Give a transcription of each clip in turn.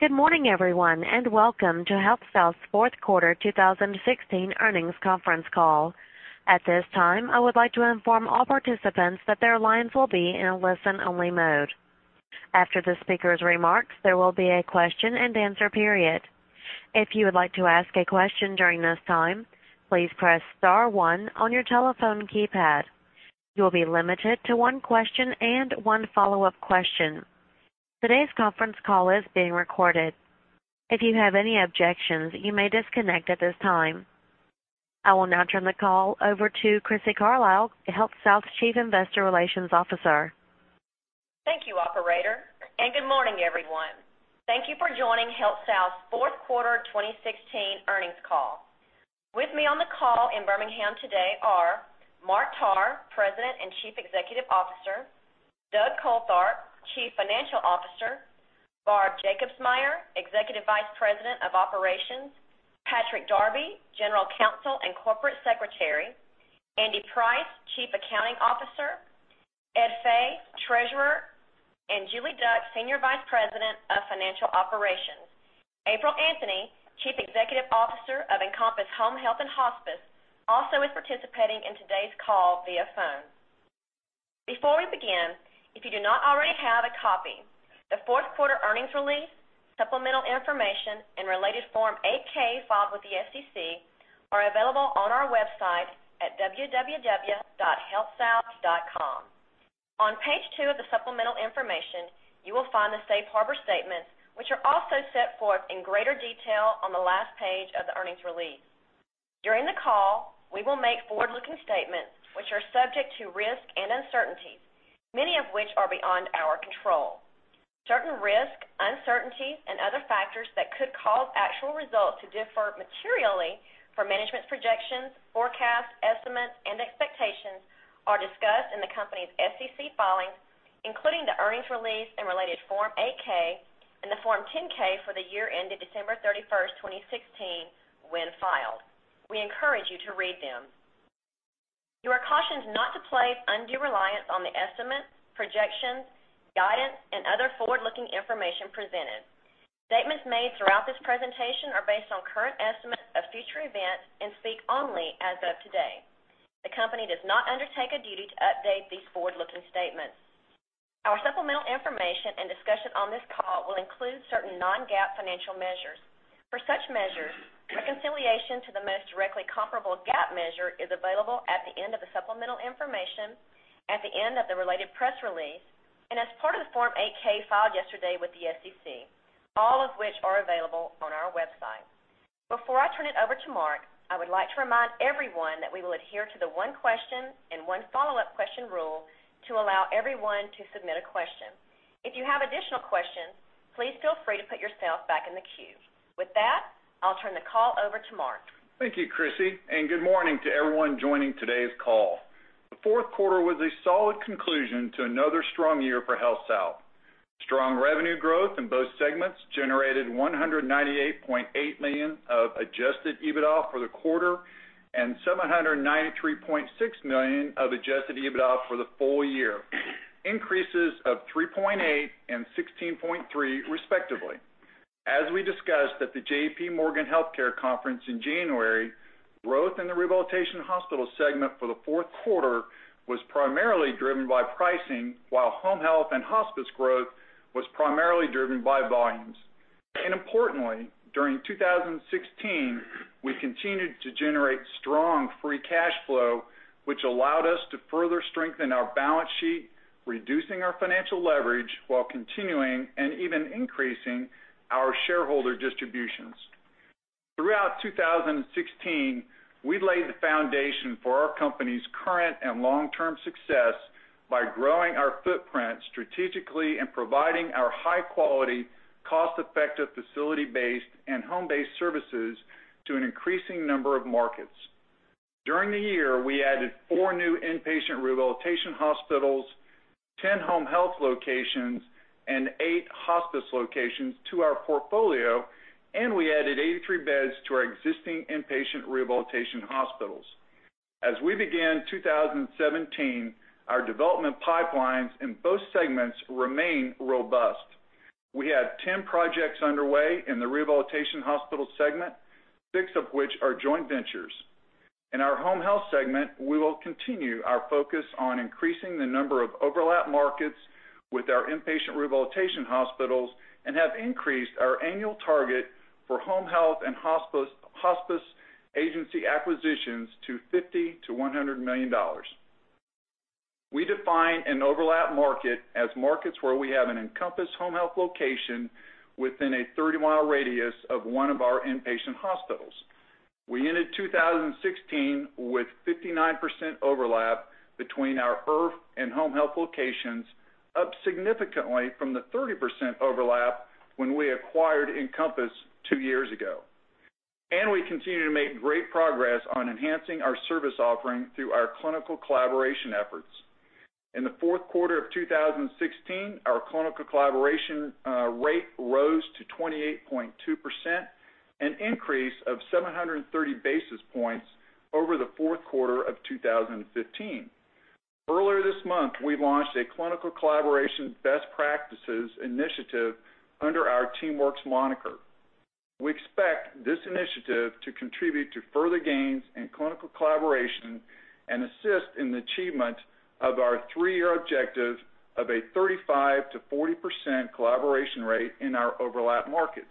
Good morning, everyone, and welcome to HealthSouth's fourth quarter 2016 earnings conference call. At this time, I would like to inform all participants that their lines will be in a listen-only mode. After the speaker's remarks, there will be a question and answer period. If you would like to ask a question during this time, please press star one on your telephone keypad. You will be limited to one question and one follow-up question. Today's conference call is being recorded. If you have any objections, you may disconnect at this time. I will now turn the call over to Crissy Carlisle, HealthSouth's Chief Investor Relations Officer. Thank you, operator. Good morning, everyone. Thank you for joining HealthSouth's fourth quarter 2016 earnings call. With me on the call in Birmingham today are Mark Tarr, President and Chief Executive Officer; Doug Coltharp, Chief Financial Officer; Barb Jacobsmeyer, Executive Vice President of Operations; Patrick Darby, General Counsel and Corporate Secretary; Andy Price, Chief Accounting Officer; Ed Fay, Treasurer; and Julie Duck, Senior Vice President of Financial Operations. April Anthony, Chief Executive Officer of Encompass Home Health and Hospice, also is participating in today's call via phone. Before we begin, if you do not already have a copy, the fourth quarter earnings release, supplemental information, and related Form 8-K filed with the SEC are available on our website at www.healthsouth.com. On page two of the supplemental information, you will find the safe harbor statement, which are also set forth in greater detail on the last page of the earnings release. During the call, we will make forward-looking statements which are subject to risk and uncertainties, many of which are beyond our control. Certain risks, uncertainties, and other factors that could cause actual results to differ materially from management's projections, forecasts, estimates, and expectations are discussed in the company's SEC filings, including the earnings release and related Form 8-K and the Form 10-K for the year ended December 31, 2016, when filed. We encourage you to read them. You are cautioned not to place undue reliance on the estimates, projections, guidance, and other forward-looking information presented. Statements made throughout this presentation are based on current estimates of future events and speak only as of today. The company does not undertake a duty to update these forward-looking statements. Our supplemental information and discussion on this call will include certain non-GAAP financial measures. For such measures, reconciliation to the most directly comparable GAAP measure is available at the end of the supplemental information, at the end of the related press release, and as part of the Form 8-K filed yesterday with the SEC, all of which are available on our website. Before I turn it over to Mark, I would like to remind everyone that we will adhere to the one question and one follow-up question rule to allow everyone to submit a question. If you have additional questions, please feel free to put yourself back in the queue. With that, I'll turn the call over to Mark. Thank you, Crissy, and good morning to everyone joining today's call. The fourth quarter was a solid conclusion to another strong year for HealthSouth. Strong revenue growth in both segments generated $198.8 million of adjusted EBITDA for the quarter and $793.6 million of adjusted EBITDA for the full year, increases of 3.8% and 16.3% respectively. As we discussed at the J.P. Morgan Healthcare Conference in January, growth in the rehabilitation hospital segment for the fourth quarter was primarily driven by pricing, while home health and hospice growth was primarily driven by volumes. Importantly, during 2016, we continued to generate strong free cash flow, which allowed us to further strengthen our balance sheet, reducing our financial leverage, while continuing and even increasing our shareholder distributions. Throughout 2016, we laid the foundation for our company's current and long-term success by growing our footprint strategically and providing our high-quality, cost-effective, facility-based, and home-based services to an increasing number of markets. During the year, we added four new inpatient rehabilitation hospitals, 10 home health locations, and eight hospice locations to our portfolio, and we added 83 beds to our existing inpatient rehabilitation hospitals. As we began 2017, our development pipelines in both segments remain robust. We have 10 projects underway in the rehabilitation hospital segment, six of which are joint ventures. In our home health segment, we will continue our focus on increasing the number of overlap markets with our inpatient rehabilitation hospitals and have increased our annual target for home health and hospice agency acquisitions to $50 million-$100 million. We define an overlap market as markets where we have an Encompass Home Health location within a 30-mile radius of one of our inpatient hospitals. We ended 2016 with 59% overlap between our IRF and home health locations, up significantly from the 30% overlap when we acquired Encompass two years ago. We continue to make great progress on enhancing our service offering through our clinical collaboration efforts. In the fourth quarter of 2016, our clinical collaboration rate rose to 28.2%, an increase of 730 basis points over the fourth quarter of 2015. Earlier this month, we launched a clinical collaboration best practices initiative under our TeamWorks moniker. We expect this initiative to contribute to further gains in clinical collaboration and assist in the achievement of our three-year objective of a 35%-40% collaboration rate in our overlap markets.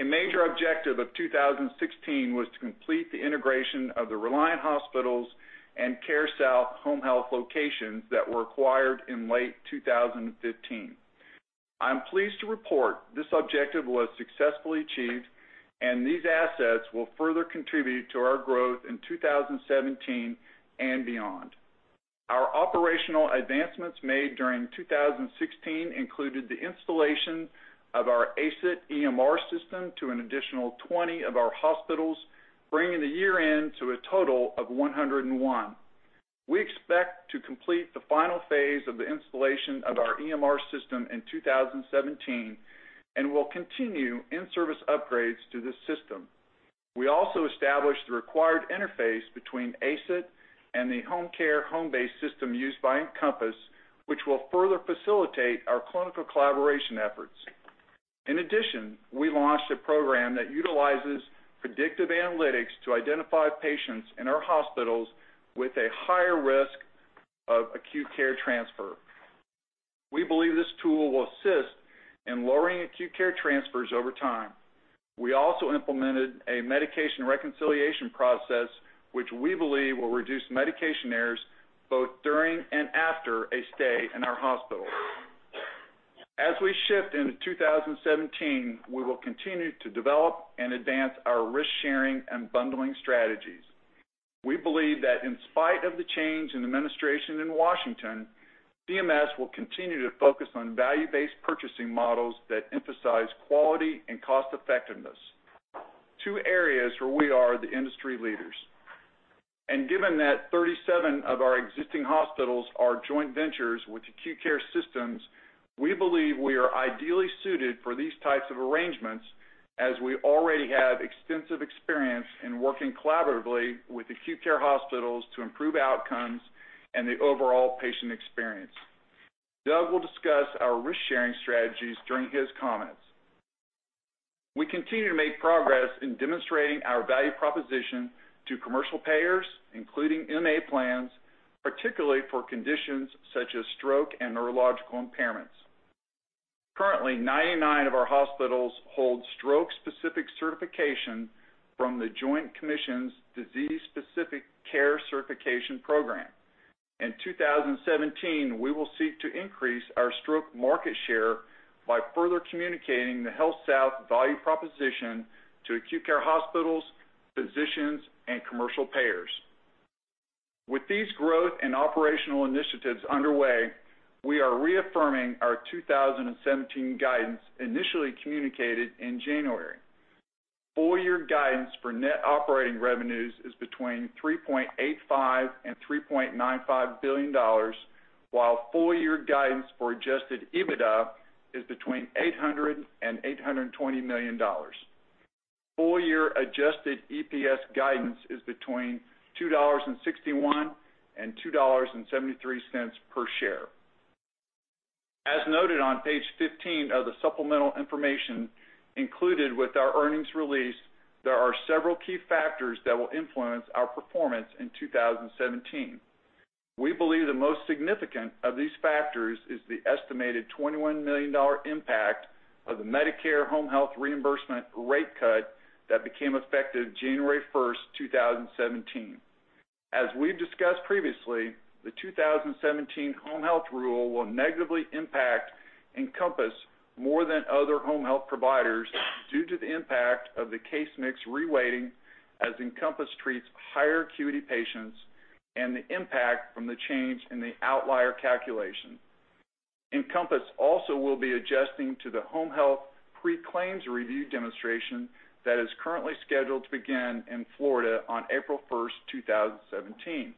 A major objective of 2016 was to complete the integration of the Reliant Hospitals and CareSouth Home Health locations that were acquired in late 2015. I'm pleased to report this objective was successfully achieved, these assets will further contribute to our growth in 2017 and beyond. Our operational advancements made during 2016 included the installation of our ACE IT EMR system to an additional 20 of our hospitals, bringing the year-end to a total of 101. We expect to complete the final phase of the installation of our EMR system in 2017 and will continue in-service upgrades to this system. We also established the required interface between ACE IT and the Homecare Homebase system used by Encompass, which will further facilitate our clinical collaboration efforts. In addition, we launched a program that utilizes predictive analytics to identify patients in our hospitals with a higher risk of acute care transfer. We believe this tool will assist in lowering acute care transfers over time. We also implemented a medication reconciliation process, which we believe will reduce medication errors both during and after a stay in our hospitals. As we shift into 2017, we will continue to develop and advance our risk-sharing and bundling strategies. We believe that in spite of the change in administration in Washington, CMS will continue to focus on value-based purchasing models that emphasize quality and cost-effectiveness, two areas where we are the industry leaders. Given that 37 of our existing hospitals are joint ventures with acute care systems, we believe we are ideally suited for these types of arrangements, as we already have extensive experience in working collaboratively with acute care hospitals to improve outcomes and the overall patient experience. Doug will discuss our risk-sharing strategies during his comments. We continue to make progress in demonstrating our value proposition to commercial payers, including MA plans, particularly for conditions such as stroke and neurological impairments. Currently, 99 of our hospitals hold stroke-specific certification from The Joint Commission's disease-specific care certification program. In 2017, we will seek to increase our stroke market share by further communicating the HealthSouth value proposition to acute care hospitals, physicians, and commercial payers. With these growth and operational initiatives underway, we are reaffirming our 2017 guidance initially communicated in January. Full-year guidance for net operating revenues is between $3.85 billion and $3.95 billion, while full-year guidance for adjusted EBITDA is between $800 million and $820 million. Full-year adjusted EPS guidance is between $2.61 and $2.73 per share. As noted on Page 15 of the supplemental information included with our earnings release, there are several key factors that will influence our performance in 2017. We believe the most significant of these factors is the estimated $21 million impact of the Medicare home health reimbursement rate cut that became effective January 1st, 2017. As we've discussed previously, the 2017 home health rule will negatively impact Encompass more than other home health providers due to the impact of the case mix reweighting, as Encompass treats higher acuity patients and the impact from the change in the outlier calculation. Encompass also will be adjusting to the home health pre-claim review demonstration that is currently scheduled to begin in Florida on April 1st, 2017.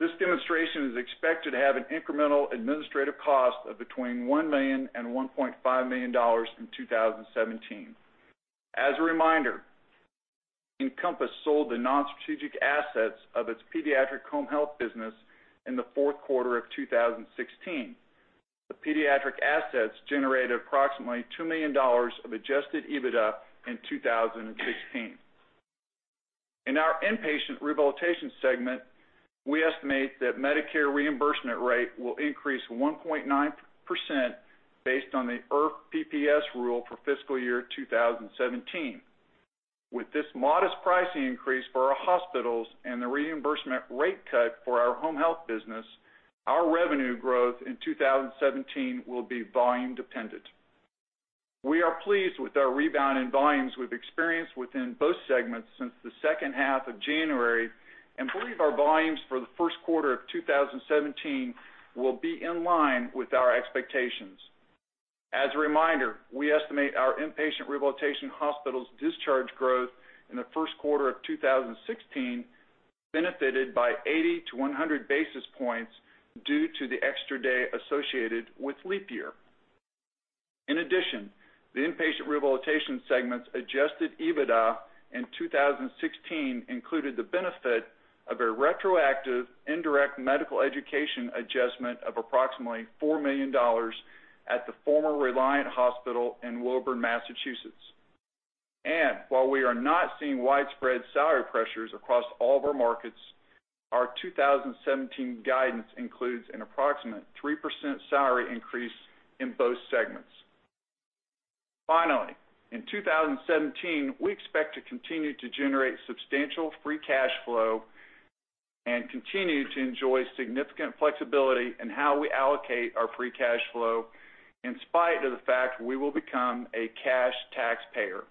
This demonstration is expected to have an incremental administrative cost of between $1 million and $1.5 million in 2017. As a reminder, Encompass sold the non-strategic assets of its pediatric home health business in the fourth quarter of 2016. The pediatric assets generated approximately $2 million of adjusted EBITDA in 2016. In our inpatient rehabilitation segment, we estimate that Medicare reimbursement rate will increase 1.9% based on the IRF PPS rule for fiscal year 2017. With this modest pricing increase for our hospitals and the reimbursement rate cut for our home health business, our revenue growth in 2017 will be volume dependent. We are pleased with our rebounding volumes we've experienced within both segments since the second half of January and believe our volumes for the first quarter of 2017 will be in line with our expectations. As a reminder, we estimate our inpatient rehabilitation hospitals' discharge growth in the first quarter of 2016 benefited by 80 to 100 basis points due to the extra day associated with leap year. In addition, the Inpatient Rehabilitation Segment's adjusted EBITDA in 2016 included the benefit of a retroactive indirect medical education adjustment of approximately $4 million at the former Reliant Hospital in Woburn, Massachusetts. While we are not seeing widespread salary pressures across all of our markets, our 2017 guidance includes an approximate 3% salary increase in both segments. Finally, in 2017, we expect to continue to generate substantial free cash flow and continue to enjoy significant flexibility in how we allocate our free cash flow, in spite of the fact we will become a cash taxpayer.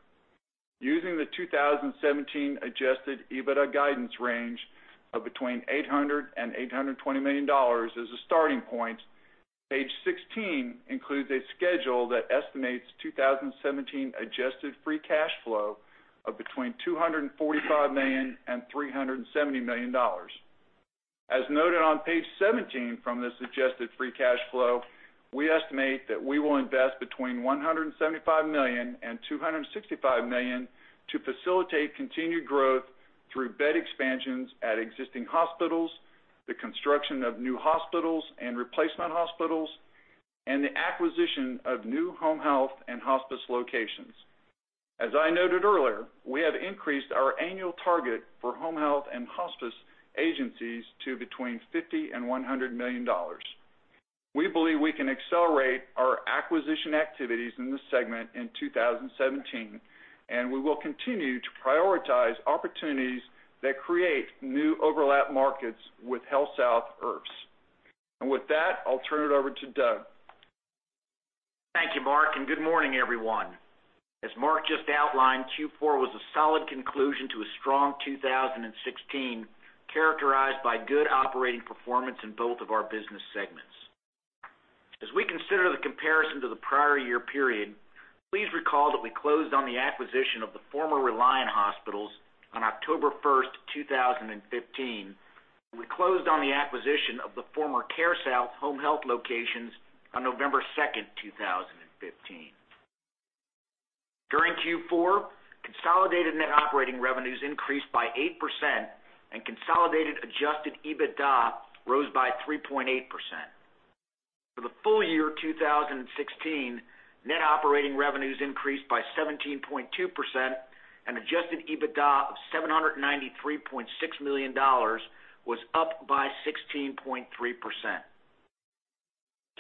Using the 2017 adjusted EBITDA guidance range of between $800 million and $820 million as a starting point, page 16 includes a schedule that estimates 2017 adjusted free cash flow of between $245 million and $370 million. As noted on page 17 from this adjusted free cash flow, we estimate that we will invest between $175 million and $265 million to facilitate continued growth through bed expansions at existing hospitals, the construction of new hospitals and replacement hospitals, and the acquisition of new home health and hospice locations. As I noted earlier, we have increased our annual target for home health and hospice agencies to between $50 million and $100 million. We believe we can accelerate our acquisition activities in this segment in 2017, we will continue to prioritize opportunities that create new overlap markets with HealthSouth IRFs. With that, I'll turn it over to Doug. Thank you, Mark, and good morning, everyone. As Mark just outlined, Q4 was a solid conclusion to a strong 2016, characterized by good operating performance in both of our business segments. As we consider the comparison to the prior year period, please recall that we closed on the acquisition of the former Reliant hospitals on October 1st, 2015. We closed on the acquisition of the former CareSouth home health locations on November 2nd, 2015. During Q4, consolidated net operating revenues increased by 8%, and consolidated adjusted EBITDA rose by 3.8%. For the full year 2016, net operating revenues increased by 17.2%, and adjusted EBITDA of $793.6 million was up by 16.3%.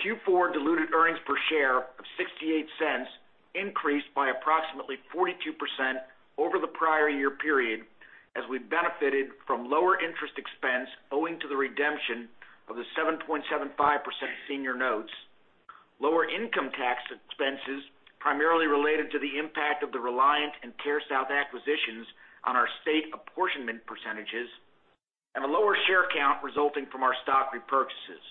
Q4 diluted earnings per share of $0.68 increased by approximately 42% over the prior year period, as we benefited from lower interest expense owing to the redemption of the 7.75% senior notes, lower income tax expenses, primarily related to the impact of the Reliant and CareSouth acquisitions on our state apportionment percentages, and a lower share count resulting from our stock repurchases.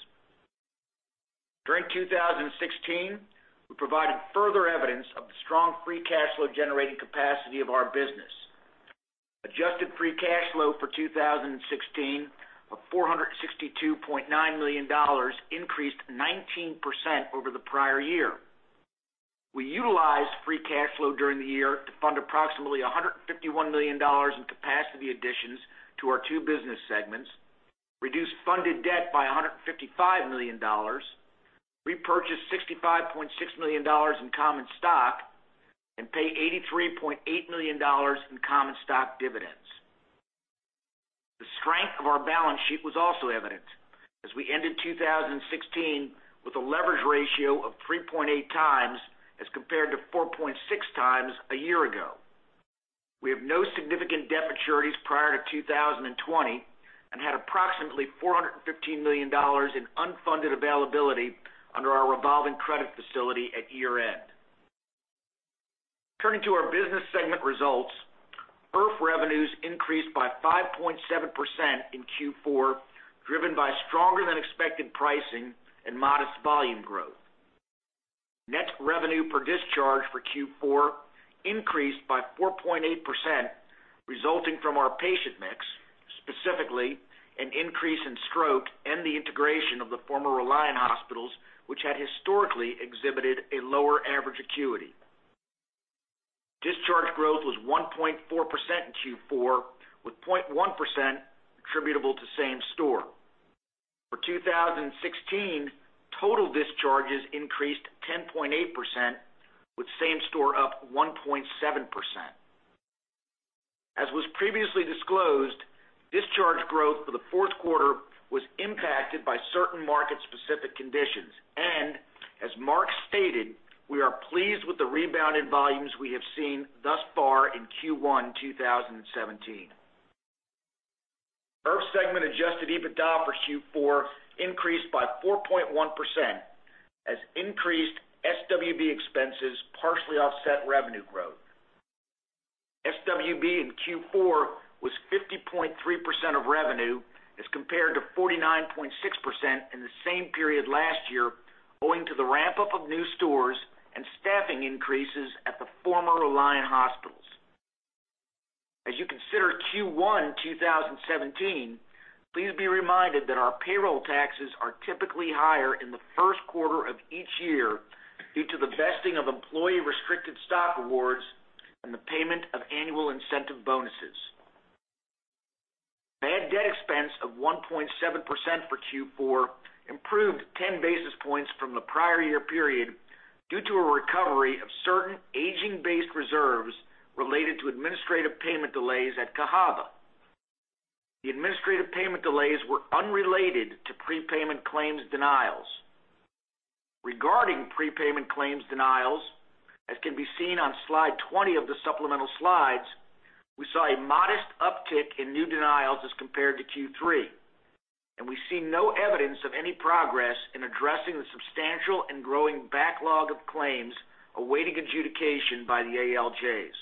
During 2016, we provided further evidence of the strong free cash flow generating capacity of our business. Adjusted free cash flow for 2016 of $462.9 million increased 19% over the prior year. We utilized free cash flow during the year to fund approximately $151 million in capacity additions to our two business segments, reduce funded debt by $155 million, repurchase $65.6 million in common stock, and pay $83.8 million in common stock dividends. The strength of our balance sheet was also evident as we ended 2016 with a leverage ratio of 3.8 times as compared to 4.6 times a year ago. We have no significant debt maturities prior to 2020 and had approximately $415 million in unfunded availability under our revolving credit facility at year-end. Turning to our business segment results, IRF revenues increased by 5.7% in Q4, driven by stronger than expected pricing and modest volume growth. Net revenue per discharge for Q4 increased by 4.8%, resulting from our patient mix, specifically an increase in stroke and the integration of the former Reliant hospitals, which had historically exhibited a lower average acuity. Discharge growth was 1.4% in Q4, with 0.1% attributable to same store. For 2016, total discharges increased 10.8%, with same store up 1.7%. As was previously disclosed, discharge growth for the fourth quarter was impacted by certain market-specific conditions, as Mark stated, we are pleased with the rebounded volumes we have seen thus far in Q1 2017. IRF segment adjusted EBITDA for Q4 increased by 4.1% as increased SWB expenses partially offset revenue growth. SWB in Q4 was 50.3% of revenue as compared to 49.6% in the same period last year, owing to the ramp-up of new stores and staffing increases at the former Reliant hospitals. Q1 2017, please be reminded that our payroll taxes are typically higher in the first quarter of each year due to the vesting of employee restricted stock awards and the payment of annual incentive bonuses. Bad debt expense of 1.7% for Q4 improved 10 basis points from the prior year period due to a recovery of certain aging-based reserves related to administrative payment delays at Cahaba. The administrative payment delays were unrelated to prepayment claims denials. Regarding prepayment claims denials, as can be seen on slide 20 of the supplemental slides, we saw a modest uptick in new denials as compared to Q3. We see no evidence of any progress in addressing the substantial and growing backlog of claims awaiting adjudication by the ALJs.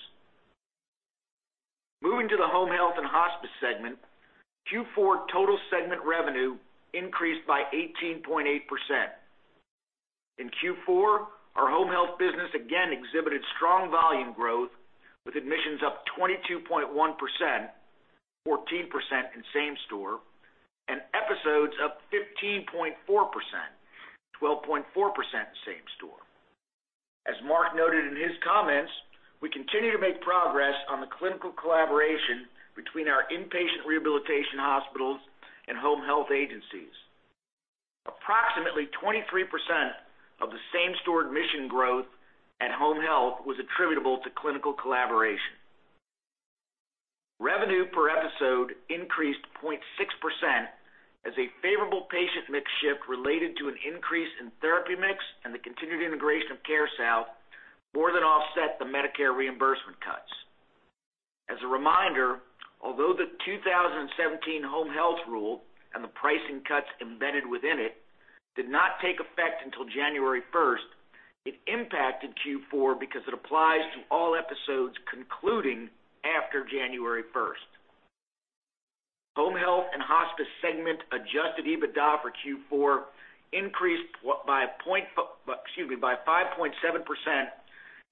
Moving to the home health and hospice segment, Q4 total segment revenue increased by 18.8%. In Q4, our home health business again exhibited strong volume growth, with admissions up 22.1%, 14% in same store, and episodes up 15.4%, 12.4% in same store. As Mark noted in his comments, we continue to make progress on the clinical collaboration between our inpatient rehabilitation hospitals and home health agencies. Approximately 23% of the same-store admission growth at home health was attributable to clinical collaboration. Revenue per episode increased 0.6% as a favorable patient mix shift related to an increase in therapy mix and the continued integration of CareSouth more than offset the Medicare reimbursement cuts. As a reminder, although the 2017 home health rule and the pricing cuts embedded within it did not take effect until January 1st, it impacted Q4 because it applies to all episodes concluding after January 1st. Home health and hospice segment adjusted EBITDA for Q4 increased by, excuse me, 5.7%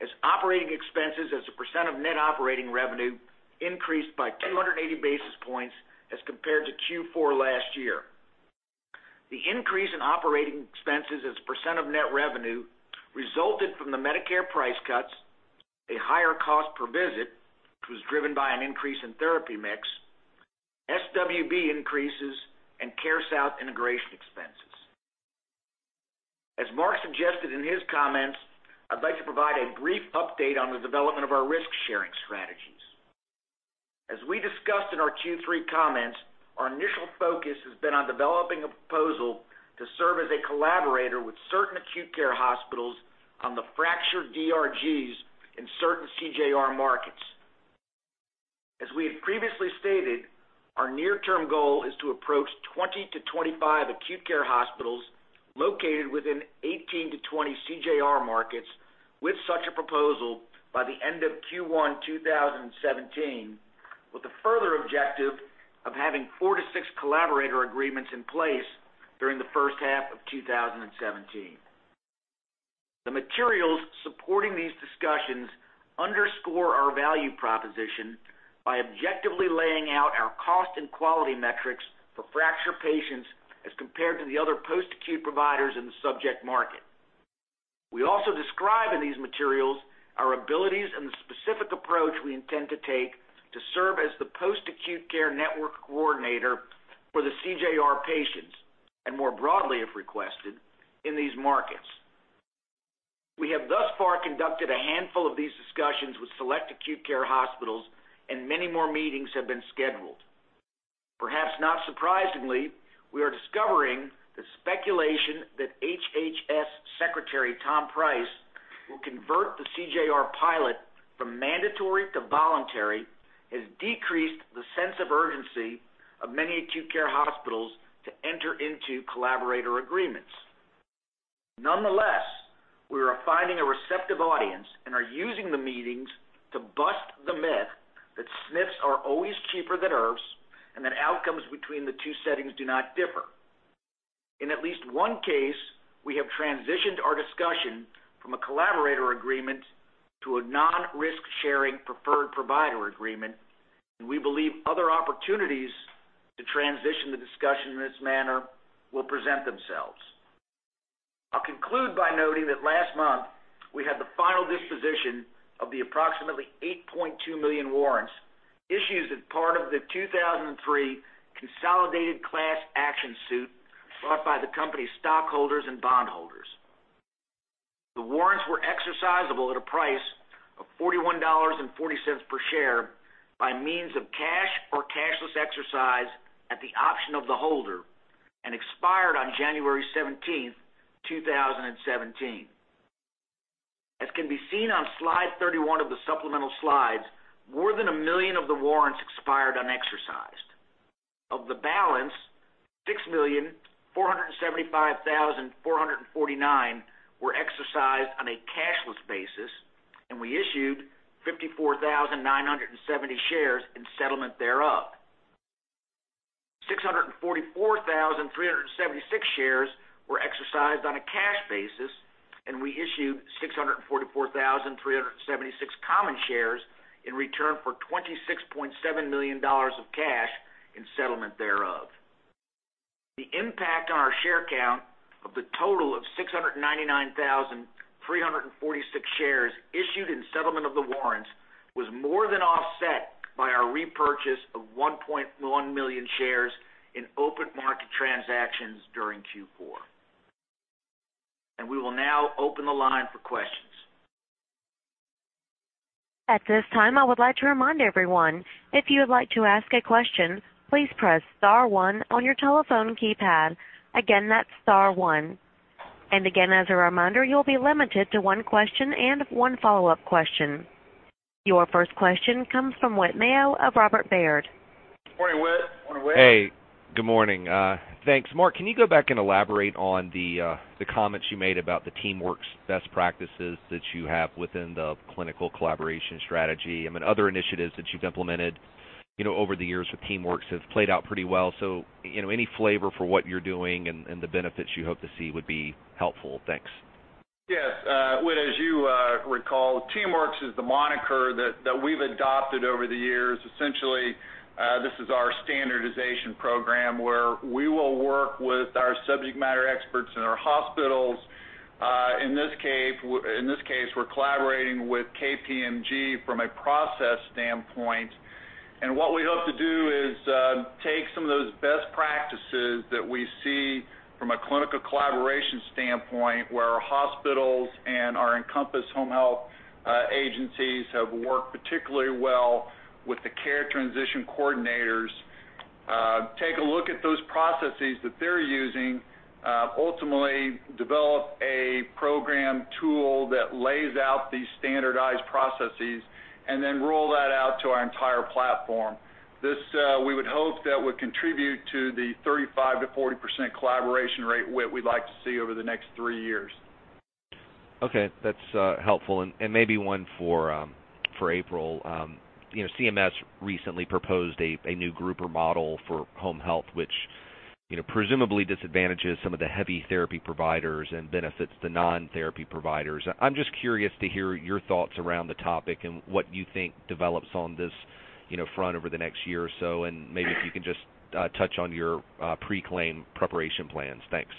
as operating expenses as a percent of net operating revenue increased by 280 basis points as compared to Q4 last year. The increase in operating expenses as a percent of net revenue resulted from the Medicare price cuts, a higher cost per visit, which was driven by an increase in therapy mix, SWB increases, and CareSouth integration expenses. As Mark suggested in his comments, I'd like to provide a brief update on the development of our risk-sharing strategies. As we discussed in our Q3 comments, our initial focus has been on developing a proposal to serve as a collaborator with certain acute care hospitals on the fracture DRGs in certain CJR markets. As we have previously stated, our near-term goal is to approach 20-25 acute care hospitals located within 18-20 CJR markets with such a proposal by the end of Q1 2017, with the further objective of having four to six collaborator agreements in place during the first half of 2017. The materials supporting these discussions underscore our value proposition by objectively laying out our cost and quality metrics for fracture patients as compared to the other post-acute providers in the subject market. We also describe in these materials our abilities and the specific approach we intend to take to serve as the post-acute care network coordinator for the CJR patients, and more broadly, if requested, in these markets. We have thus far conducted a handful of these discussions with select acute care hospitals, and many more meetings have been scheduled. Perhaps not surprisingly, we are discovering the speculation that HHS Secretary Tom Price will convert the CJR pilot from mandatory to voluntary has decreased the sense of urgency of many acute care hospitals to enter into collaborator agreements. Nonetheless, we are finding a receptive audience and are using the meetings to bust the myth that SNFs are always cheaper than IRFs and that outcomes between the two settings do not differ. In at least one case, we have transitioned our discussion from a collaborator agreement to a non-risk sharing preferred provider agreement, and we believe other opportunities to transition the discussion in this manner will present themselves. I'll conclude by noting that last month, we had the final disposition of the approximately $8.2 million warrants issued as part of the 2003 consolidated class action suit brought by the company's stockholders and bondholders. The warrants were exercisable at a price of $41.40 per share by means of cash or cashless exercise at the option of the holder and expired on January 17, 2017. As can be seen on slide 31 of the supplemental slides, more than 1 million of the warrants expired unexercised. Of the balance, 6,475,449 were exercised on a cashless basis, and we issued 54,970 shares in settlement thereof. 644,376 shares were exercised on a cash basis, and we issued 644,376 common shares in return for $26.7 million of cash in settlement thereof. The impact on our share count of the total of 699,346 shares issued in settlement of the warrants was more than offset by our repurchase of 1.1 million shares in open market transactions during Q4. We will now open the line for questions. At this time, I would like to remind everyone, if you would like to ask a question, please press star one on your telephone keypad. Again, that's star one. Again, as a reminder, you'll be limited to one question and one follow-up question. Your first question comes from Whit Mayo of Robert W. Baird. Morning, Whit. Morning, Whit. Hey, good morning. Thanks. Mark, can you go back and elaborate on the comments you made about the TeamWorks best practices that you have within the clinical collaboration strategy? I mean, other initiatives that you've implemented over the years with TeamWorks have played out pretty well. Any flavor for what you're doing and the benefits you hope to see would be helpful. Thanks. Yes. Whit, as you recall, TeamWorks is the moniker that we've adopted over the years. Essentially, this is our standardization program, where we will work with our subject matter experts in our hospitals. In this case, we're collaborating with KPMG from a process standpoint. What we hope to do is take some of those best practices that we see from a clinical collaboration standpoint, where our hospitals and our Encompass Home Health agencies have worked particularly well with the care transition coordinators. Take a look at those processes that they're using, ultimately develop a program tool that lays out these standardized processes, and then roll that out to our entire platform. We would hope that would contribute to the 35%-40% collaboration rate, Whit, we'd like to see over the next three years. Okay, that's helpful. Maybe one for April. CMS recently proposed a new grouper model for home health, which presumably disadvantages some of the heavy therapy providers and benefits the non-therapy providers. I'm just curious to hear your thoughts around the topic and what you think develops on this front over the next year or so. Maybe if you can just touch on your pre-claim preparation plans. Thanks.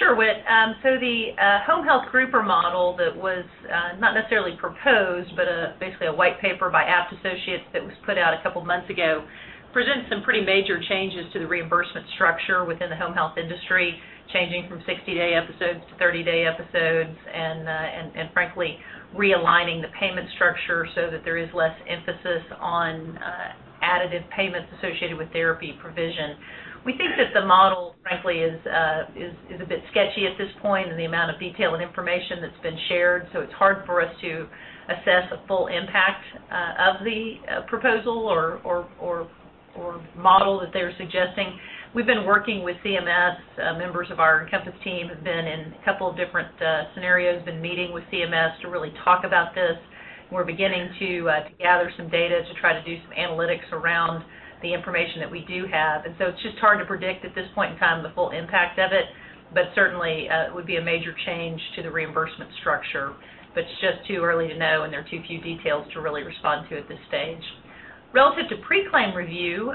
Sure, Whit. The home health grouper model that was not necessarily proposed, but basically a white paper by Abt Associates that was put out a couple of months ago, presents some pretty major changes to the reimbursement structure within the home health industry, changing from 60-day episodes to 30-day episodes, and frankly, realigning the payment structure so that there is less emphasis on additive payments associated with therapy provision. We think that the model, frankly, is a bit sketchy at this point in the amount of detail and information that's been shared. It's hard for us to assess a full impact of the proposal or model that they're suggesting. We've been working with CMS. Members of our Encompass team have been in a couple of different scenarios, been meeting with CMS to really talk about this. We're beginning to gather some data to try to do some analytics around the information that we do have. It's just hard to predict at this point in time the full impact of it, but certainly it would be a major change to the reimbursement structure. It's just too early to know, and there are too few details to really respond to at this stage. Relative to pre-claim review,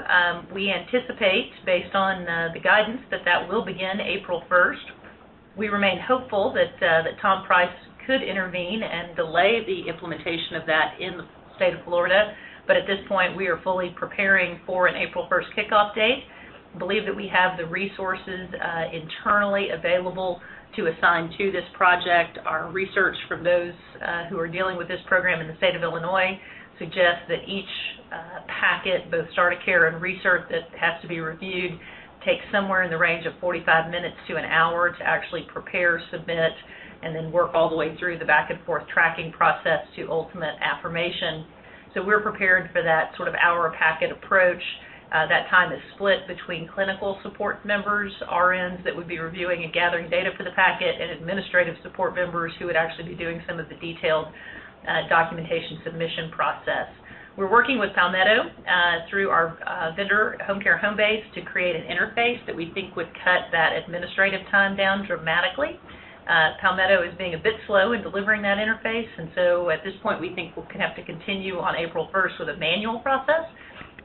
we anticipate, based on the guidance, that that will begin April first. We remain hopeful that Tom Price could intervene and delay the implementation of that in the state of Florida. At this point, we are fully preparing for an April first kickoff date. Believe that we have the resources internally available to assign to this project. Our research from those who are dealing with this program in the state of Illinois suggests that each packet, both start of care and recert that has to be reviewed, takes somewhere in the range of 45 minutes to an hour to actually prepare, submit, and then work all the way through the back-and-forth tracking process to ultimate affirmation. We're prepared for that sort of hour-a-packet approach. That time is split between clinical support members, RNs that would be reviewing and gathering data for the packet, and administrative support members who would actually be doing some of the detailed documentation submission process. We're working with Palmetto through our vendor, Homecare Homebase, to create an interface that we think would cut that administrative time down dramatically. Palmetto is being a bit slow in delivering that interface. At this point, we think we're going to have to continue on April 1st with a manual process,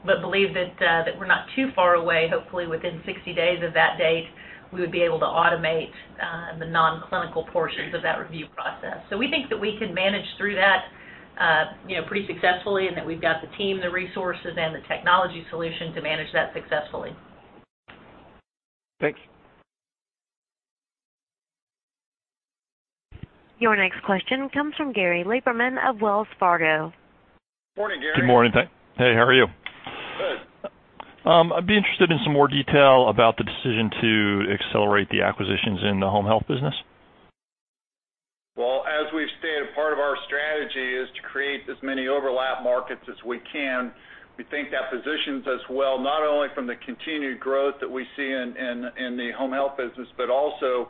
believe that we're not too far away. Hopefully, within 60 days of that date, we would be able to automate the non-clinical portions of that review process. We think that we can manage through that pretty successfully and that we've got the team, the resources, and the technology solution to manage that successfully. Thanks. Your next question comes from Gary Lieberman of Wells Fargo. Morning, Gary. Good morning. Hey, how are you? Good. I'd be interested in some more detail about the decision to accelerate the acquisitions in the home health business. Well, as we've stated, part of our strategy is to create as many overlap markets as we can. We think that positions us well, not only from the continued growth that we see in the home health business, but also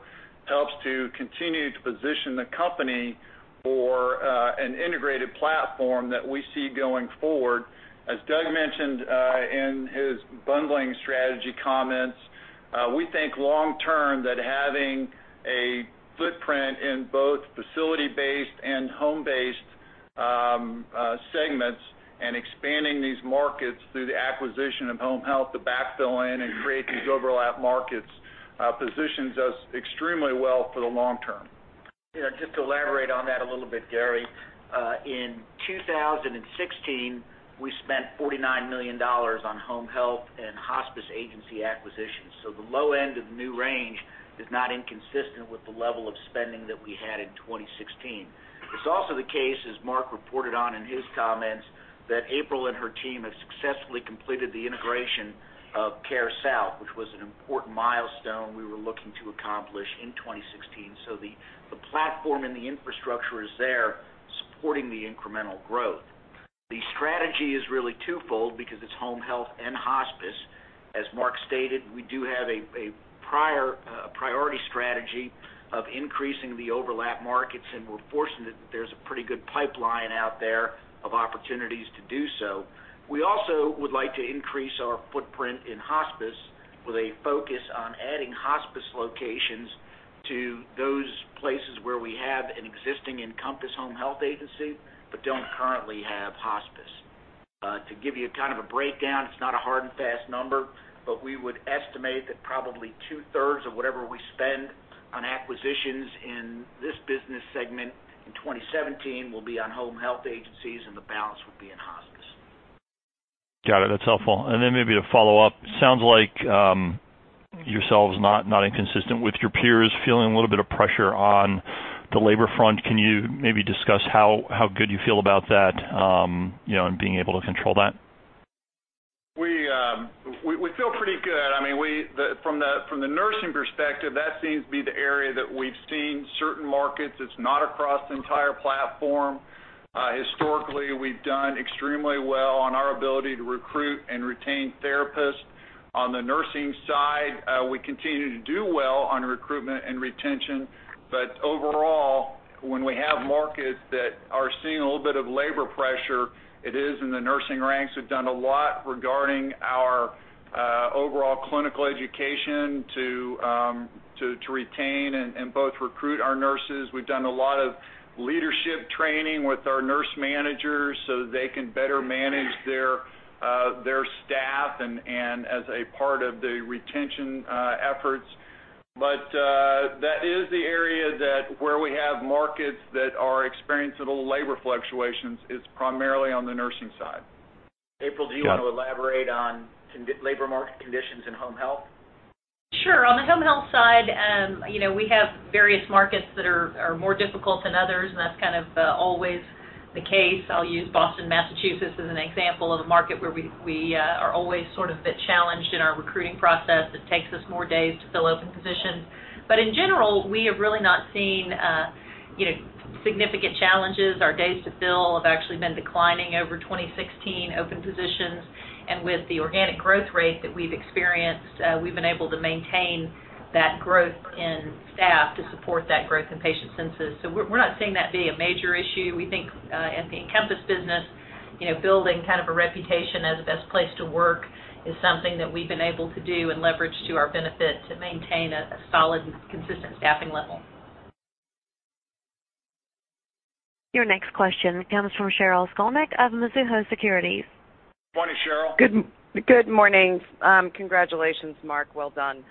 helps to continue to position the company for an integrated platform that we see going forward. As Doug mentioned in his bundling strategy comments, we think long term that having footprint in both facility-based and home-based segments and expanding these markets through the acquisition of home health to backfill in and create these overlap markets positions us extremely well for the long term. Just to elaborate on that a little bit, Gary. In 2016, we spent $49 million on home health and hospice agency acquisitions. The low end of the new range is not inconsistent with the level of spending that we had in 2016. It's also the case, as Mark reported on in his comments, that April and her team have successfully completed the integration of CareSouth, which was an important milestone we were looking to accomplish in 2016. The platform and the infrastructure is there supporting the incremental growth. The strategy is really twofold because it's home health and hospice. As Mark stated, we do have a priority strategy of increasing the overlap markets, and we're fortunate that there's a pretty good pipeline out there of opportunities to do so. We also would like to increase our footprint in hospice with a focus on adding hospice locations to those places where we have an existing Encompass Home Health agency but don't currently have hospice. To give you a kind of a breakdown, it's not a hard and fast number, but we would estimate that probably two-thirds of whatever we spend on acquisitions in this business segment in 2017 will be on home health agencies, and the balance will be in hospice. Got it. That's helpful. Then maybe to follow up, sounds like yourselves not inconsistent with your peers, feeling a little bit of pressure on the labor front. Can you maybe discuss how good you feel about that and being able to control that? We feel pretty good. From the nursing perspective, that seems to be the area that we've seen certain markets. It's not across the entire platform. Historically, we've done extremely well on our ability to recruit and retain therapists. On the nursing side, we continue to do well on recruitment and retention. Overall, when we have markets that are seeing a little bit of labor pressure, it is in the nursing ranks. We've done a lot regarding our overall clinical education to retain and both recruit our nurses. We've done a lot of leadership training with our nurse managers so they can better manage their staff and as a part of the retention efforts. That is the area that where we have markets that are experiencing a little labor fluctuations is primarily on the nursing side. April, do you want to elaborate on labor market conditions in home health? Sure. On the home health side, we have various markets that are more difficult than others, and that's kind of always the case. I'll use Boston, Massachusetts, as an example of a market where we are always sort of a bit challenged in our recruiting process. It takes us more days to fill open positions. In general, we have really not seen significant challenges. Our days to fill have actually been declining over 2016 open positions. With the organic growth rate that we've experienced, we've been able to maintain that growth in staff to support that growth in patient census. We're not seeing that be a major issue. We think at the Encompass business, building kind of a reputation as the best place to work is something that we've been able to do and leverage to our benefit to maintain a solid, consistent staffing level. Your next question comes from Sheryl Skolnick of Mizuho Securities. Morning, Sheryl. Good morning. Congratulations, Mark, well done.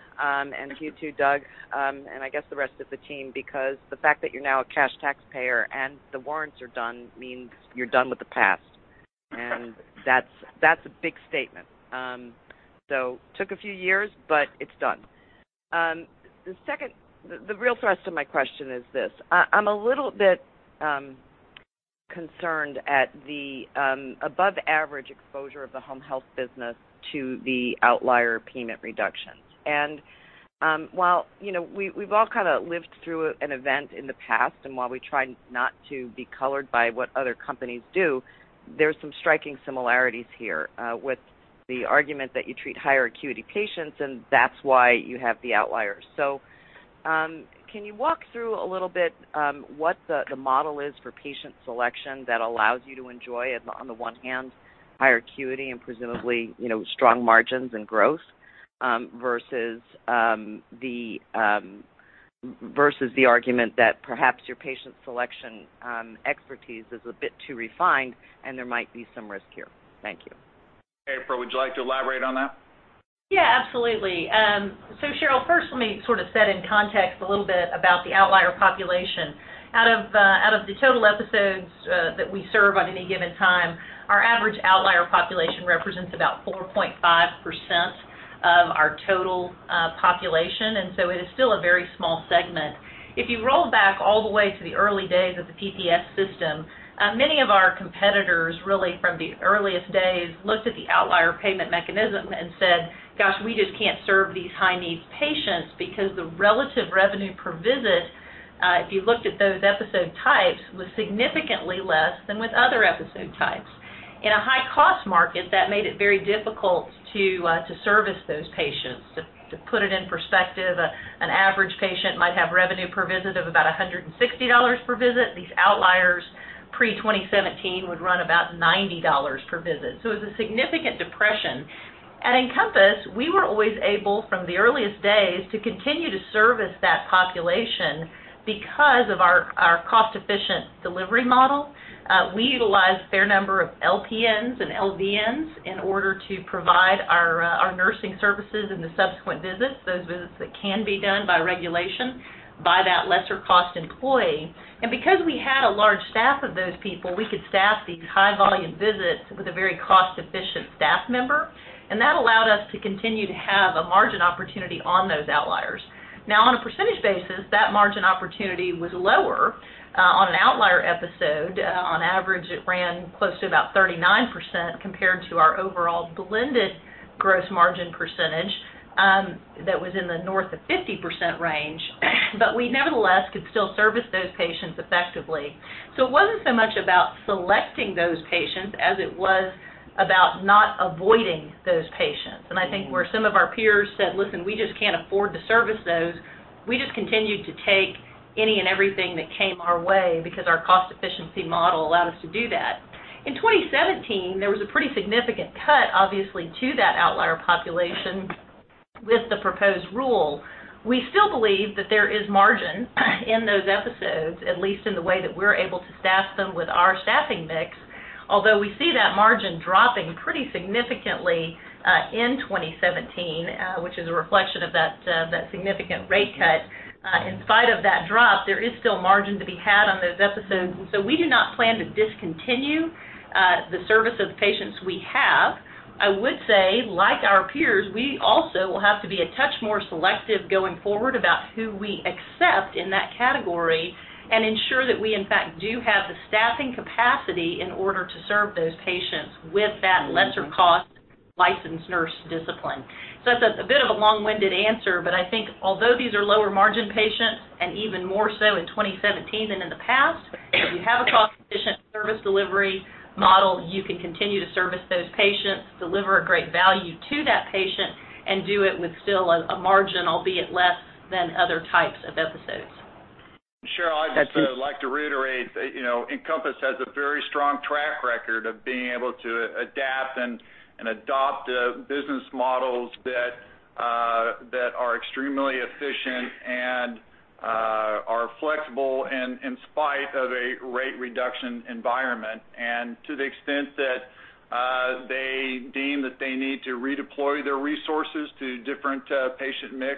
You too, Doug, and I guess the rest of the team, because the fact that you're now a cash taxpayer and the warrants are done means you're done with the past. That's a big statement. Took a few years, but it's done. The real thrust of my question is this: I'm a little bit concerned at the above average exposure of the home health business to the outlier payment reductions. While we've all kind of lived through an event in the past, and while we try not to be colored by what other companies do, there's some striking similarities here with the argument that you treat higher acuity patients, and that's why you have the outliers. Can you walk through a little bit, what the model is for patient selection that allows you to enjoy, on the one hand, higher acuity and presumably strong margins and growth, versus the argument that perhaps your patient selection expertise is a bit too refined and there might be some risk here? Thank you. April, would you like to elaborate on that? Yeah, absolutely. Sheryl, first let me sort of set in context a little bit about the outlier population. Out of the total episodes that we serve at any given time, our average outlier population represents about 4.5% of our total population, it is still a very small segment. If you roll back all the way to the early days of the PPS system, many of our competitors, really from the earliest days, looked at the outlier payment mechanism and said, "Gosh, we just can't serve these high-needs patients because the relative revenue per visit," if you looked at those episode types, was significantly less than with other episode types. In a high-cost market, that made it very difficult to service those patients. To put it in perspective, an average patient might have revenue per visit of about $160 per visit. These outliers Pre-2017 would run about $90 per visit. It was a significant depression. At Encompass, we were always able, from the earliest days, to continue to service that population because of our cost-efficient delivery model. We utilize a fair number of LPNs and LVNs in order to provide our nursing services and the subsequent visits, those visits that can be done by regulation, by that lesser cost employee. Because we had a large staff of those people, we could staff these high-volume visits with a very cost-efficient staff member, and that allowed us to continue to have a margin opportunity on those outliers. On a percentage basis, that margin opportunity was lower, on an outlier episode, on average, it ran close to about 39% compared to our overall blended gross margin percentage, that was in the north of 50% range, we nevertheless could still service those patients effectively. It wasn't so much about selecting those patients as it was about not avoiding those patients. I think where some of our peers said, "Listen, we just can't afford to service those," we just continued to take any and everything that came our way because our cost-efficiency model allowed us to do that. In 2017, there was a pretty significant cut, obviously, to that outlier population with the proposed rule. We still believe that there is margin in those episodes, at least in the way that we're able to staff them with our staffing mix. Although we see that margin dropping pretty significantly, in 2017, which is a reflection of that significant rate cut. In spite of that drop, there is still margin to be had on those episodes. We do not plan to discontinue the service of the patients we have. I would say, like our peers, we also will have to be a touch more selective going forward about who we accept in that category and ensure that we in fact do have the staffing capacity in order to serve those patients with that lesser cost licensed nurse discipline. That's a bit of a long-winded answer, I think although these are lower margin patients, and even more so in 2017 than in the past, if you have a cost-efficient service delivery model, you can continue to service those patients, deliver a great value to that patient, and do it with still a margin, albeit less than other types of episodes. Sheryl, I'd just like to reiterate that Encompass has a very strong track record of being able to adapt and adopt business models that are extremely efficient and are flexible in spite of a rate reduction environment. To the extent that they deem that they need to redeploy their resources to different patient mix,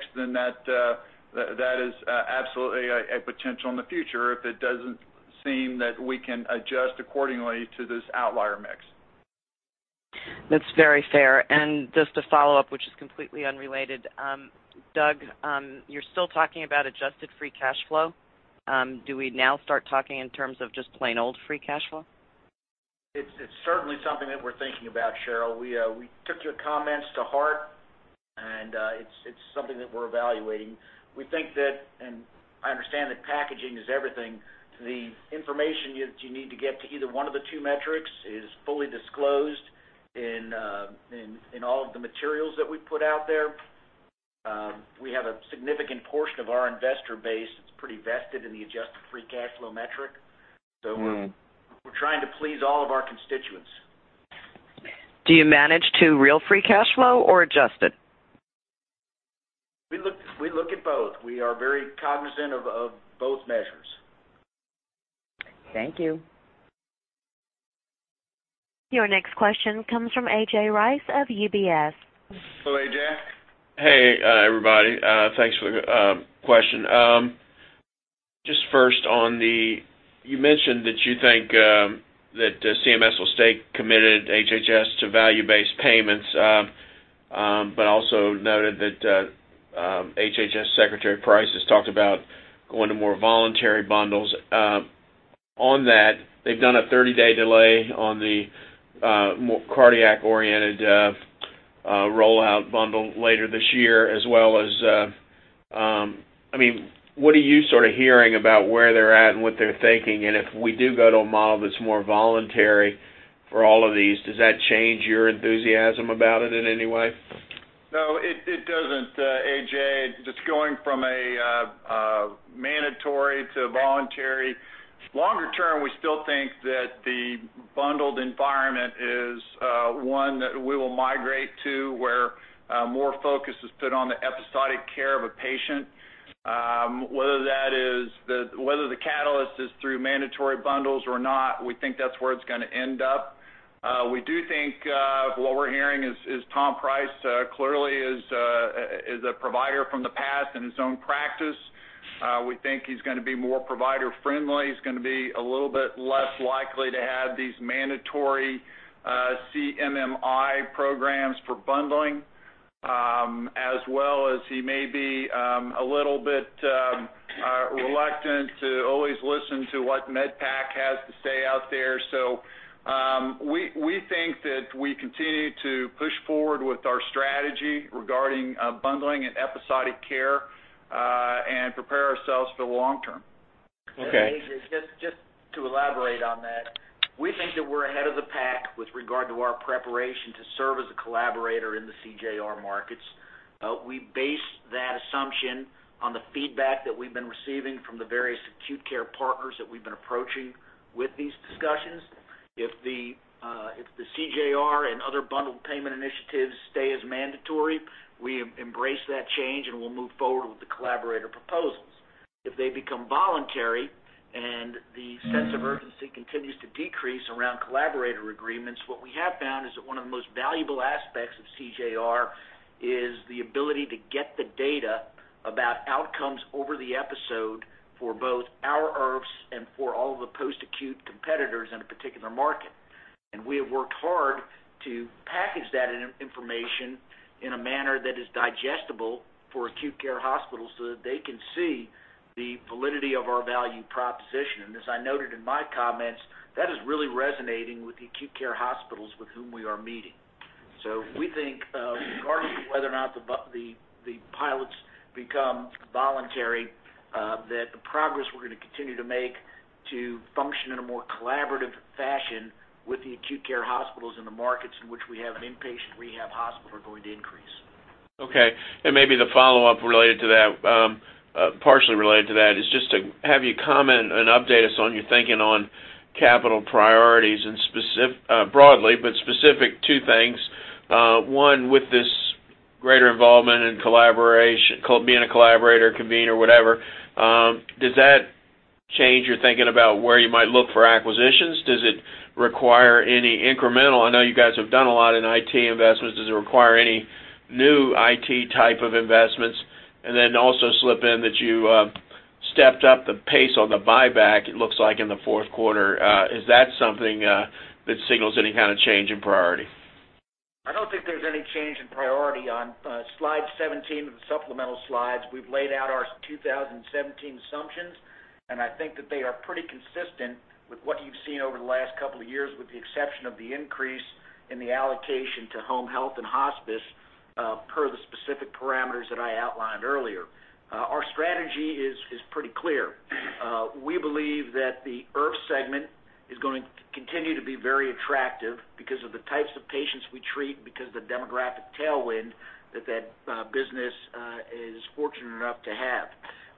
that is absolutely a potential in the future if it doesn't seem that we can adjust accordingly to this outlier mix. That's very fair. Just a follow-up, which is completely unrelated. Doug, you're still talking about adjusted free cash flow. Do we now start talking in terms of just plain old free cash flow? It's certainly something that we're thinking about, Sheryl. We took your comments to heart, it's something that we're evaluating. We think that, I understand that packaging is everything, the information that you need to get to either one of the two metrics is fully disclosed in all of the materials that we put out there. We have a significant portion of our investor base that's pretty vested in the adjusted free cash flow metric. We're trying to please all of our constituents. Do you manage to real free cash flow or adjusted? We look at both. We are very cognizant of both measures. Thank you. Your next question comes from A.J. Rice of UBS. Hello, A.J. Hey, everybody. Thanks for the question. You mentioned that you think that CMS will stay committed, HHS, to value-based payments. Also noted that HHS Secretary Price has talked about going to more voluntary bundles. On that, they've done a 30-day delay on the more cardiac-oriented rollout bundle later this year, as well as, what are you sort of hearing about where they're at and what they're thinking? If we do go to a model that's more voluntary for all of these, does that change your enthusiasm about it in any way? No, it doesn't, A.J., just going from a mandatory to voluntary. Longer term, we still think that the bundled environment is one that we will migrate to, where more focus is put on the episodic care of a patient. Whether the catalyst is through mandatory bundles or not, we think that's where it's going to end up. We do think, what we're hearing is, Tom Price clearly is a provider from the past in his own practice. We think he's going to be more provider-friendly. He's going to be a little bit less likely to have these mandatory CMMI programs for bundling, as well as he may be a little bit reluctant to always listen to what MedPAC has to say out there. We think that we continue to push forward with our strategy regarding bundling and episodic care, and prepare ourselves for the long term. Okay. A.J., just to elaborate on that We think that we're ahead of the pack with regard to our preparation to serve as a collaborator in the CJR markets. We base that assumption on the feedback that we've been receiving from the various acute care partners that we've been approaching with these discussions. If the CJR and other bundled payment initiatives stay as mandatory, we embrace that change, and we'll move forward with the collaborator proposals. If they become voluntary and the sense of urgency continues to decrease around collaborator agreements, what we have found is that one of the most valuable aspects of CJR is the ability to get the data about outcomes over the episode for both our IRFs and for all the post-acute competitors in a particular market. We have worked hard to package that information in a manner that is digestible for acute care hospitals so that they can see the validity of our value proposition. As I noted in my comments, that is really resonating with the acute care hospitals with whom we are meeting. We think, regardless of whether or not the pilots become voluntary, that the progress we're going to continue to make to function in a more collaborative fashion with the acute care hospitals in the markets in which we have an inpatient rehab hospital are going to increase. Okay. Maybe the follow-up partially related to that is just to have you comment and update us on your thinking on capital priorities broadly, but specific two things. One, with this greater involvement in being a collaborator, convener, whatever, does that change your thinking about where you might look for acquisitions? Does it require any incremental? I know you guys have done a lot in IT investments. Does it require any new IT type of investments? Then also slip in that you stepped up the pace on the buyback it looks like in the fourth quarter. Is that something that signals any kind of change in priority? I don't think there's any change in priority. On slide 17 of the supplemental slides, we've laid out our 2017 assumptions. I think that they are pretty consistent with what you've seen over the last couple of years, with the exception of the increase in the allocation to Home Health and Hospice, per the specific parameters that I outlined earlier. Our strategy is pretty clear. We believe that the IRF segment is going to continue to be very attractive because of the types of patients we treat, because of the demographic tailwind that that business is fortunate enough to have.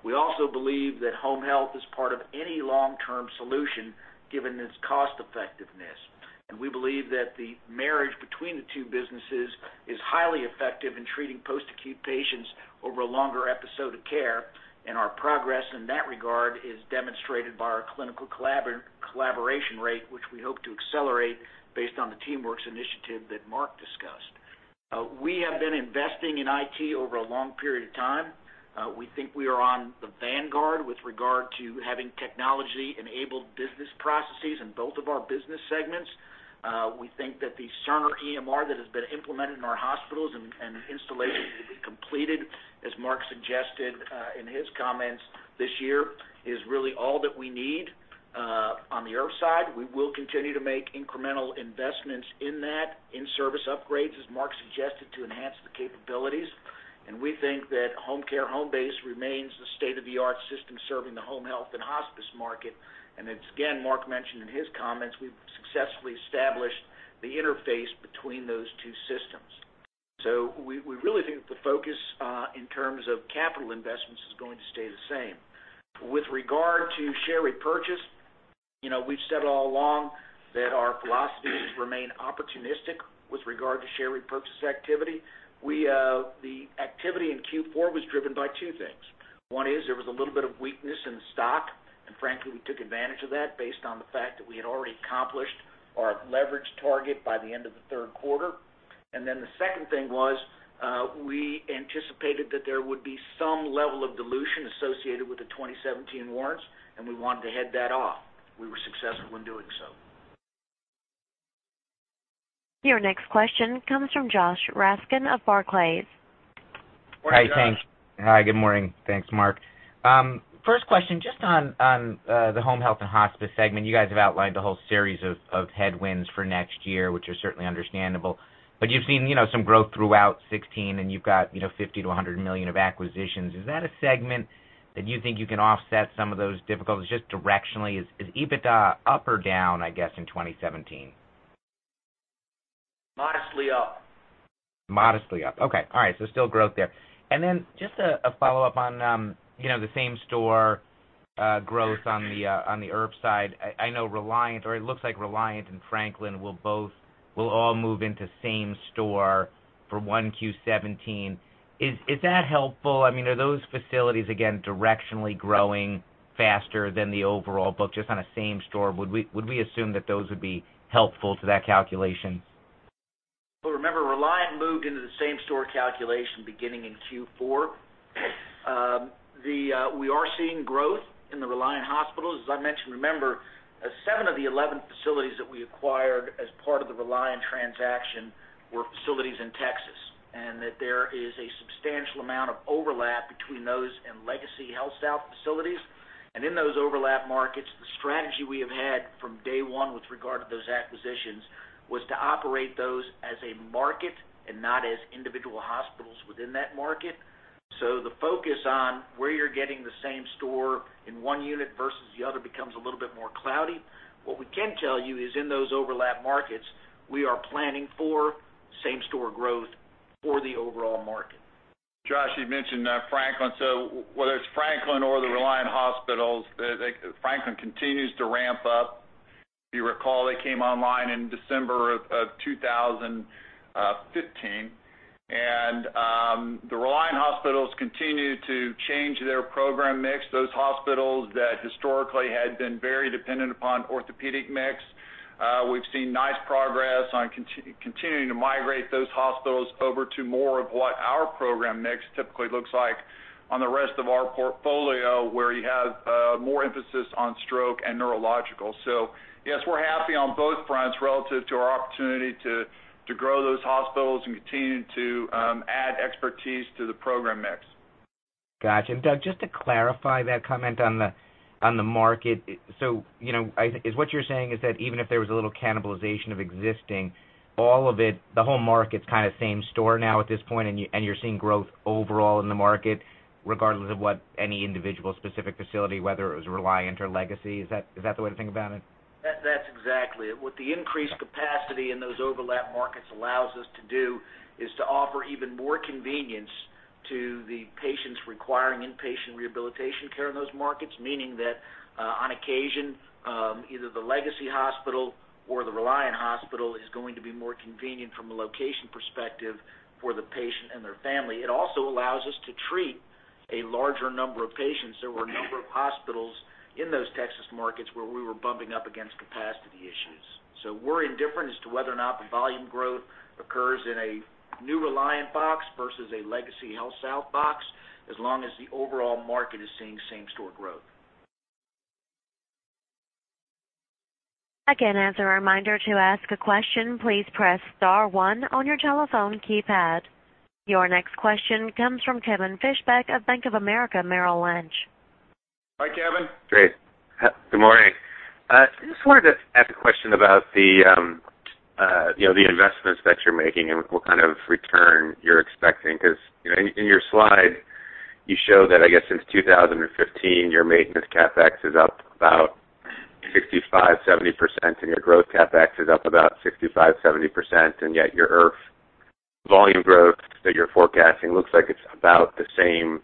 We also believe that Home Health is part of any long-term solution given its cost effectiveness. We believe that the marriage between the two businesses is highly effective in treating post-acute patients over a longer episode of care. Our progress in that regard is demonstrated by our clinical collaboration rate, which we hope to accelerate based on the TeamWorks initiative that Mark discussed. We have been investing in IT over a long period of time. We think we are on the vanguard with regard to having technology-enabled business processes in both of our business segments. We think that the Cerner EMR that has been implemented in our hospitals and installation will be completed, as Mark suggested in his comments this year, is really all that we need. On the IRF side, we will continue to make incremental investments in that, in-service upgrades, as Mark suggested, to enhance the capabilities. We think that Homecare Homebase remains the state-of-the-art system serving the Home Health and Hospice market. Again, Mark mentioned in his comments, we've successfully established the interface between those two systems. We really think that the focus in terms of capital investments is going to stay the same. With regard to share repurchase, we've said all along that our philosophy is to remain opportunistic with regard to share repurchase activity. The activity in Q4 was driven by two things. One is there was a little bit of weakness in the stock, and frankly, we took advantage of that based on the fact that we had already accomplished our leverage target by the end of the third quarter. The second thing was, we anticipated that there would be some level of dilution associated with the 2017 warrants, and we wanted to head that off. We were successful in doing so. Your next question comes from Joshua Raskin of Barclays. Morning, Josh. Hi, good morning. Thanks, Mark. First question, just on the home health and hospice segment. You guys have outlined a whole series of headwinds for next year, which are certainly understandable. You've seen some growth throughout 2016, and you've got $50 million-$100 million of acquisitions. Is that a segment that you think you can offset some of those difficulties just directionally? Is EBITDA up or down, I guess, in 2017? Modestly up. Modestly up. Okay. All right. Then just a follow-up on the same store growth on the IRF side. I know it looks like Reliant and Franklin will all move into same store for 1Q17. Is that helpful? Are those facilities, again, directionally growing faster than the overall book just on a same store? Would we assume that those would be helpful to that calculation? Well, remember, Reliant moved into the same store calculation beginning in Q4. We are seeing growth in the Reliant hospitals. As I mentioned, remember, 7 of the 11 facilities that we acquired as part of the Reliant transaction were facilities in Texas, and that there is a substantial amount of overlap between those and Legacy HealthSouth facilities. In those overlap markets, the strategy we have had from day one with regard to those acquisitions was to operate those as a market and not as individual hospitals within that market. The focus on where you're getting the same store in one unit versus the other becomes a little bit more cloudy. What we can tell you is in those overlap markets, we are planning for same-store growth for the overall market. Josh, you mentioned Franklin. Whether it's Franklin or the Reliant hospitals, Franklin continues to ramp up. You recall they came online in December of 2015. The Reliant hospitals continue to change their program mix. Those hospitals that historically had been very dependent upon orthopedic mix, we've seen nice progress on continuing to migrate those hospitals over to more of what our program mix typically looks like on the rest of our portfolio, where you have more emphasis on stroke and neurological. Yes, we're happy on both fronts relative to our opportunity to grow those hospitals and continue to add expertise to the program mix. Got you. Doug, just to clarify that comment on the market. Is what you're saying is that even if there was a little cannibalization of existing, all of it, the whole market's kind of same-store now at this point, and you're seeing growth overall in the market regardless of what any individual specific facility, whether it was Reliant or Legacy? Is that the way to think about it? That's exactly it. What the increased capacity in those overlap markets allows us to do is to offer even more convenience to the patients requiring inpatient rehabilitation care in those markets, meaning that on occasion, either the Legacy Hospital or the Reliant Hospital is going to be more convenient from a location perspective for the patient and their family. It also allows us to treat a larger number of patients. There were a number of hospitals in those Texas markets where we were bumping up against capacity issues. We're indifferent as to whether or not the volume growth occurs in a new Reliant box versus a Legacy HealthSouth box, as long as the overall market is seeing same-store growth. Again, as a reminder, to ask a question, please press star one on your telephone keypad. Your next question comes from Kevin Fischbeck of Bank of America Merrill Lynch. Hi, Kevin. Great. Good morning. I just wanted to ask a question about the investments that you're making and what kind of return you're expecting. In your slide, you show that, I guess, since 2015, your maintenance CapEx is up about 65%-70%, and your growth CapEx is up about 65%-70%, and yet your IRF volume growth that you're forecasting looks like it's about the same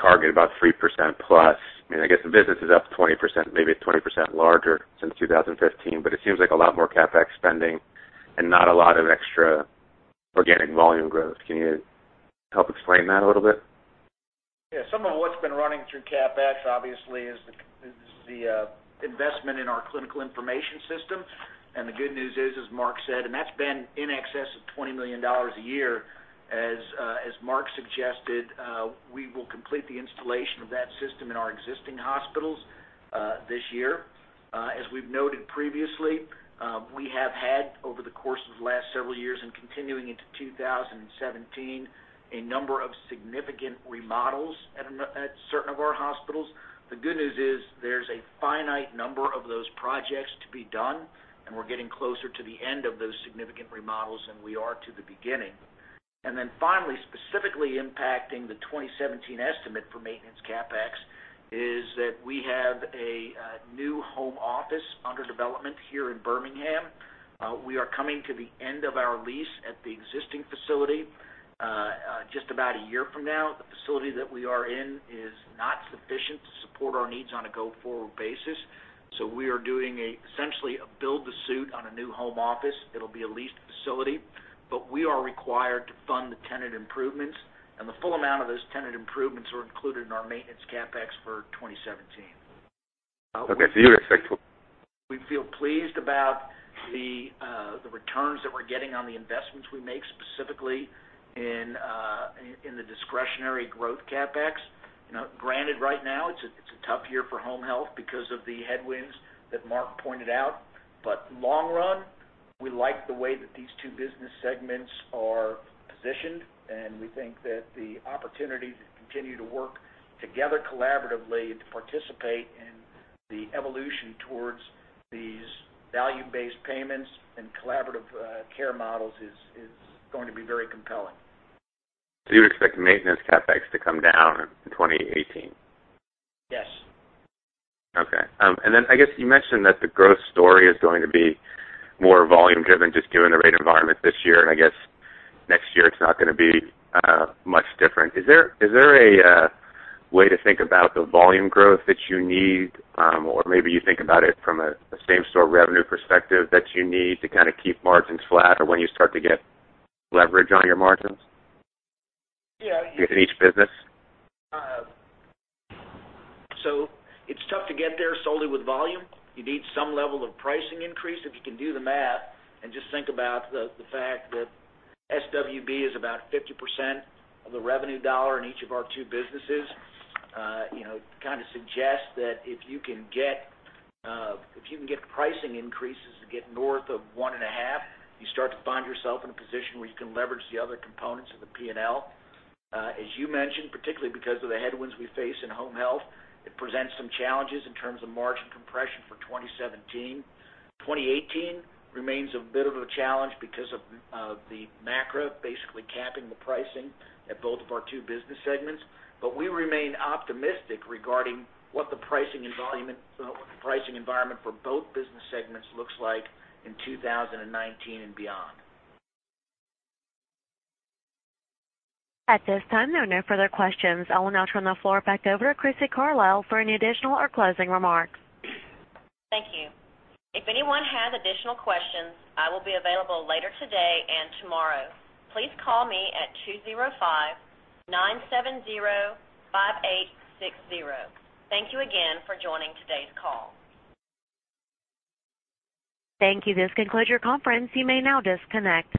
target, about 3%+. I guess the business is up 20%, maybe it's 20% larger since 2015. It seems like a lot more CapEx spending and not a lot of extra organic volume growth. Can you help explain that a little bit? Yeah. Some of what's been running through CapEx obviously is the investment in our clinical information system, the good news is, as Mark said, that's been in excess of $20 million a year. As Mark suggested, we will complete the installation of that system in our existing hospitals this year. As we've noted previously, we have had, over the course of the last several years and continuing into 2017, a number of significant remodels at certain of our hospitals. The good news is there's a finite number of those projects to be done, and we're getting closer to the end of those significant remodels than we are to the beginning. Finally, specifically impacting the 2017 estimate for maintenance CapEx is that we have a new home office under development here in Birmingham. We are coming to the end of our lease at the existing facility. Just about a year from now, the facility that we are in is not sufficient to support our needs on a go-forward basis. We are doing essentially a build to suit on a new home office. It'll be a leased facility, we are required to fund the tenant improvements, the full amount of those tenant improvements are included in our maintenance CapEx for 2017. Okay. You're expecting- We feel pleased about the returns that we're getting on the investments we make, specifically in the discretionary growth CapEx. Granted, right now it's a tough year for home health because of the headwinds that Mark pointed out. Long run, we like the way that these two business segments are positioned, and we think that the opportunity to continue to work together collaboratively to participate in the evolution towards these value-based payments and collaborative care models is going to be very compelling. You expect maintenance CapEx to come down in 2018? Yes. I guess you mentioned that the growth story is going to be more volume-driven just due to the rate environment this year, I guess next year it's not going to be much different. Is there a way to think about the volume growth that you need? Or maybe you think about it from a same-store revenue perspective that you need to kind of keep margins flat or when you start to get leverage on your margins? Yeah. In each business? It's tough to get there solely with volume. You need some level of pricing increase. If you can do the math and just think about the fact that SWB is about 50% of the revenue dollar in each of our two businesses, kind of suggests that if you can get pricing increases to get north of one and a half, you start to find yourself in a position where you can leverage the other components of the P&L. As you mentioned, particularly because of the headwinds we face in home health, it presents some challenges in terms of margin compression for 2017. 2018 remains a bit of a challenge because of the MACRA basically capping the pricing at both of our two business segments. We remain optimistic regarding what the pricing environment for both business segments looks like in 2019 and beyond. At this time, there are no further questions. I will now turn the floor back over to Crissy Carlisle for any additional or closing remarks. Thank you. If anyone has additional questions, I will be available later today and tomorrow. Please call me at 205-970-5860. Thank you again for joining today's call. Thank you. This concludes your conference. You may now disconnect.